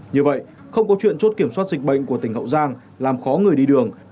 như vậy không có chuyện chốt kiểm soát dịch bệnh của tỉnh hậu giang làm khó người đi đường